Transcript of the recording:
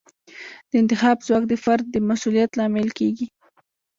د انتخاب ځواک د فرد د مسوولیت لامل کیږي.